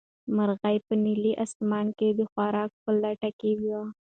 مرغۍ په نیلي اسمان کې د خوراک په لټه کې وه.